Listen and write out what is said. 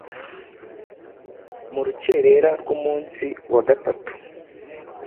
Mu rukerera rw'umunsi wa gatatu